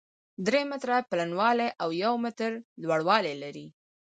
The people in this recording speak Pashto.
درې متره پلنوالی او يو متر لوړوالی لري،